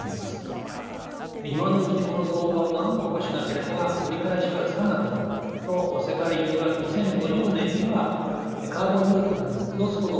今のうちにこの増加をなんとかしなければ取り返しがつかなくなると世界中が２０５０年にはカーボンニュートラルに戻すことを目指しています。